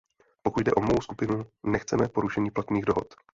Pokud jde o mou skupinu, nechceme porušení platných dohod.